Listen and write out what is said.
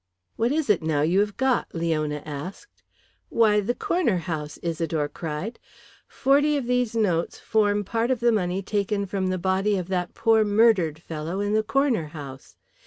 "What is it now you have got?" Leona asked. "Why, the corner house," Isidore cried. "Forty of these notes form part of the money taken from the body of that poor murdered fellow in the corner house.